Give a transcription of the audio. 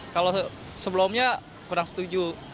kalau sebelumnya kurang setuju